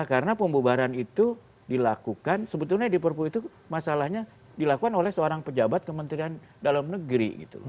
karena pembubaran itu dilakukan sebetulnya di perpu itu masalahnya dilakukan oleh seorang pejabat kementerian dalam negeri